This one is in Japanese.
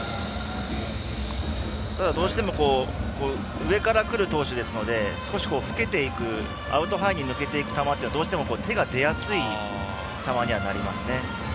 ただ、どうしても上からくる投手ですので少しアウトハイに抜けていく球は手が出やすい球にはなりますね。